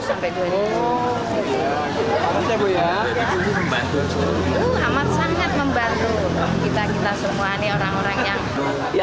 itu amat sangat membantu kita kita semua nih orang orangnya